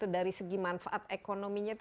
dari segi manfaat ekonominya